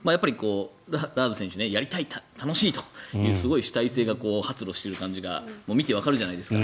ラーズ選手やりたい、楽しいというすごい主体性が発露している感じが見てわかるじゃないですか。